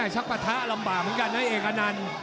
ชักปะทะลำบากเหมือนกันนะเอกอนันต์